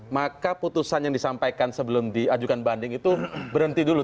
maka putusan yang disampaikan sebelum diajukan banding itu berhenti dulu